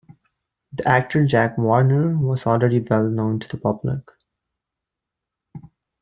The actor Jack Warner was already well known to the public.